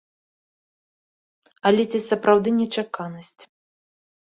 Але ці сапраўды нечаканасць.